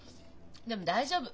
でも大丈夫。